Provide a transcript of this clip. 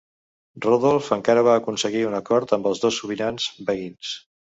Rodolf encara va aconseguir un acord amb els dos sobirans veïns.